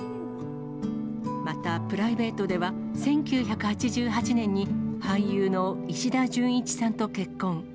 またプライベートでは１９８８年に俳優の石田純一さんと結婚。